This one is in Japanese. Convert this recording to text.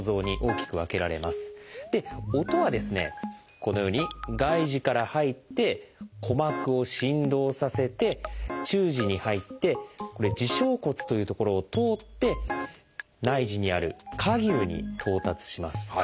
このように外耳から入って鼓膜を振動させて中耳に入って「耳小骨」という所を通って内耳にある「蝸牛」に到達します。